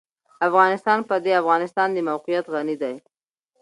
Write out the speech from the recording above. افغانستان په د افغانستان د موقعیت غني دی.